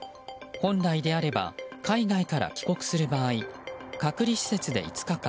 本来であれば海外から帰国する場合隔離施設で５日間